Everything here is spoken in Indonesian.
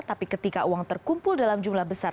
tapi ketika uang terkumpul dalam jumlah besar